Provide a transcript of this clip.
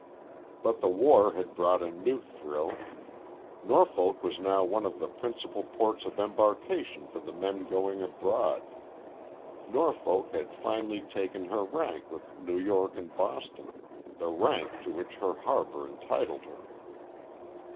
But the war had brought a new thrill. Norfolk was now one of the principal ports of embarkation for the men going abroad. Norfolk had finally taken her rank with New York and Boston the rank to which her harbor entitled her.